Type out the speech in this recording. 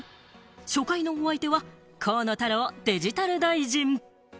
初回のお相手は河野太郎デジタル大臣。